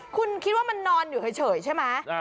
คุณคิดว่ามันนอนอยู่เฉยใช่ไหม